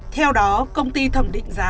theo đó công ty thẩm định giá